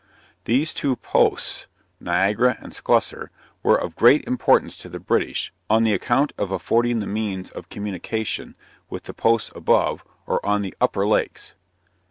These two posts, (viz.) Niagara and Sclusser, were of great importance to the British, on the account of affording the means of communication with the posts above, or on the upper lakes.